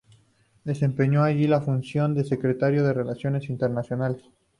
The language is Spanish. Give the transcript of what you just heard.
Desempeñó allí la función de Secretario de Relaciones Internacionales.